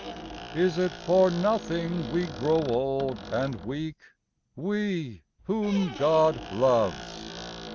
'Is it for nothing we grow old and weak, We whom God loyes?